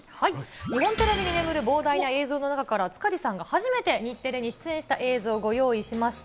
日本テレビに眠る膨大な映像の中から、塚地さんが初めて日テレに出演した映像をご用意しました。